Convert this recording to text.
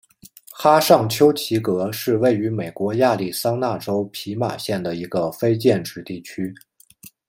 哈尚丘奇格是位于美国亚利桑那州皮马县的一个非建制地区。